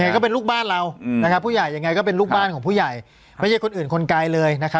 ก็เป็นลูกบ้านเราผู้ใหญ่ยังไงก็เป็นลูกบ้านของผู้ใหญ่ไม่ใช่คนอื่นคนไกลเลยนะครับ